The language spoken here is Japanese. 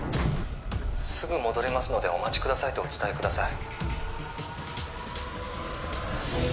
すぐ戻りますのでお待ちくださいとお伝えください